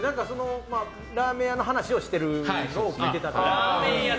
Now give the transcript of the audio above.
ラーメン屋の話をしてるのを聞いてて。